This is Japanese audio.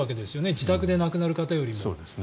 自宅で亡くなるよりも。